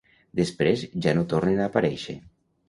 Després ja no tornen a aparèixer.